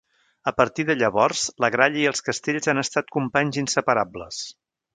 A partir de llavors la gralla i els castells han estat companys inseparables.